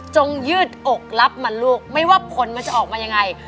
ยืดอกรับมาลูกไม่ว่าผลมันจะออกมายังไง